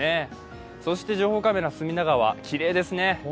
情報カメラ、隅田川、きれいですね。